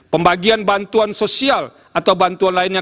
pembagian bantuan sosial atau bantuan lainnya